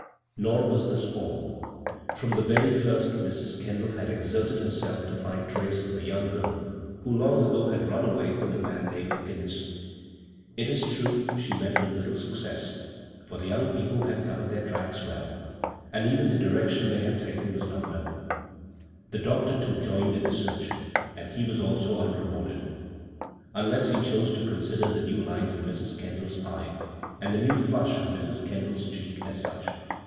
Nor was this all. From the very first Mr Kendall had exerted herself to find trace < the young girl who long ago had run awa with the man named " McGinnis." It true, she met with Bttle success, for the youn people had covered their tmcks well, an even the direction they bad taken was m known. The doctor, too, joined in tf search, and he also was unrewarded — ^unles he chose to con»der the new light in Mr Kendall's eye and the new flush on Mr Kendall's cheek as such.